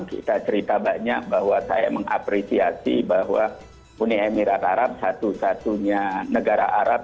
kita cerita banyak bahwa saya mengapresiasi bahwa uni emirat arab satu satunya negara arab